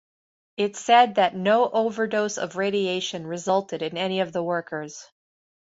It said that no overdose of radiation resulted in any of the workers.